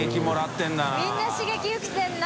みんな刺激受けてるな。